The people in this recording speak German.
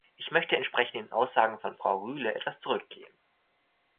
Ich möchte entsprechend den Aussagen von Frau Rühle etwas zurückgehen.